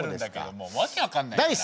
もう訳分かんないから。